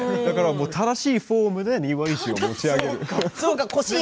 正しいフォームで庭石を持ち上げる。